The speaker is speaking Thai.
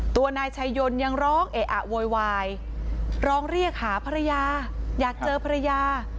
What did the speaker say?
ตัวนายชายยนต์ยังร้องเอะอะโวยวายร้องเรียกหาภรรยาอยากเจอภรรยา